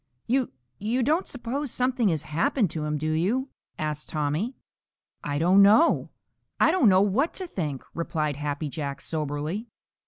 "You you don't suppose something has happened to him, do you?" asked Tommy. "I don't know. I don't know what to think," replied Happy Jack, soberly.